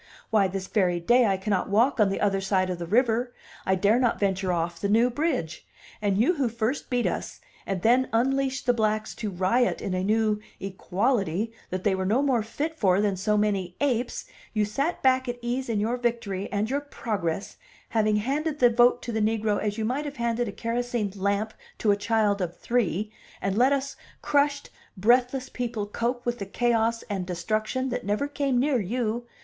Why, this very day I cannot walk on the other side of the river, I dare not venture off the New Bridge; and you who first beat us and then unleashed the blacks to riot in a new 'equality' that they were no more fit for than so many apes, you sat back at ease in your victory and your progress, having handed the vote to the negro as you might have handed a kerosene lamp to a child of three, and let us crushed, breathless people cope with the chaos and destruction that never came near you.